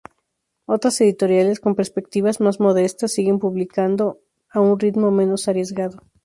Otras editoriales, con perspectivas más modestas, siguen publicando a un ritmo menos arriesgado.